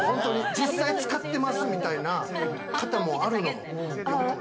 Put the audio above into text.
実際使ってます、みたいな方もあるの？